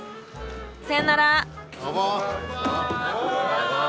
さよなら。